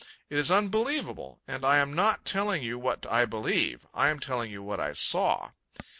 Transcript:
It is unbelievable, and I am not telling you what I believe; I am telling you what I saw.